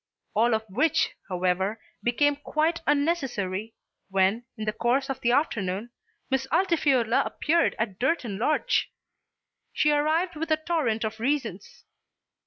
All of which, however, became quite unnecessary, when, in the course of the afternoon, Miss Altifiorla appeared at Durton Lodge. She arrived with a torrent of reasons.